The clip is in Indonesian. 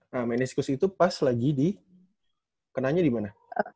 nah meniscus itu pas lagi di kenanya di mana